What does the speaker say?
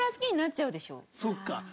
そっか。